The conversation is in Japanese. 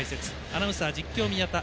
アナウンサー、実況、宮田。